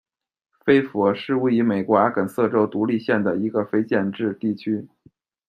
菲佛是位于美国阿肯色州独立县的一个非建制地区。